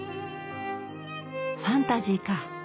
ファンタジーか。